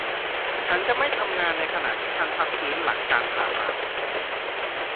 ฉันจะไม่ทำงานในขณะที่ฉันพักฟื้นหลังการผ่าตัด